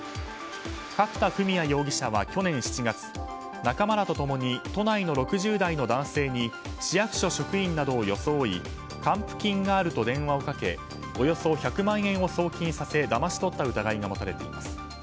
角田郁也容疑者は去年７月仲間らと共に都内の６０代の男性に市役所職員などを装い還付金があると電話をかけおよそ１００万円を送金させだまし取った疑いが持たれています。